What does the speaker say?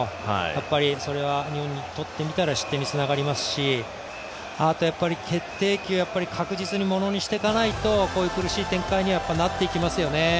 やっぱりそれは日本にとってみたら失点につながりますしあと決定機を確実にものにしていかないとこういう苦しい展開になってきますよね。